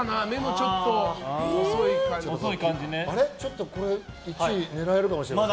ちょっとこれ１位狙えるかもしれない。